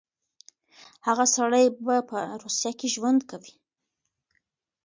هغه سړی به په روسيه کې ژوند کوي.